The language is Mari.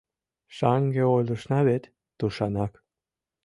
— Шаҥге ойлышна вет, тушанак...